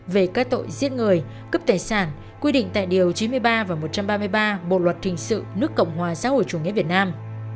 về các tội giết người cướp tài sản quy định tại điều chín mươi ba và một trăm ba mươi ba bộ luật thình sự nước cộng hòa xã hội chủ nghĩa việt nam